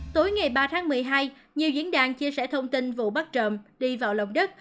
tối ngày ba tháng một mươi hai nhiều diễn đàn chia sẻ thông tin vụ bắt trộm đi vào lòng đất